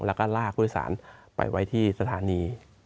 แล้วก็ลากผู้โดยสารไปไว้ที่สถานี